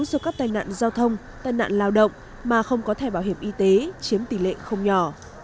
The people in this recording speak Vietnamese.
do các tai nạn giao thông tai nạn lao động mà không có thẻ bảo hiểm y tế chiếm tỷ lệ không nhỏ